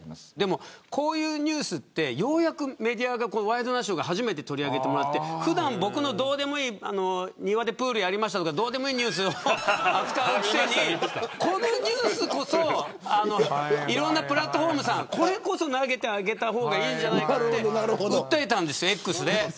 こういうニュースって初めてワイドナショーで取り上げてもらって普段、僕のどうでもいい庭でプールやりましたとかそういうニュースを扱うくせにこのニュースこそいろんなプラットホームで取り上げた方がいいんじゃないかと訴えたんです、Ｘで。